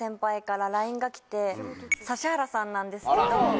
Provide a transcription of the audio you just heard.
指原さんなんですけど。